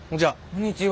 こんにちは。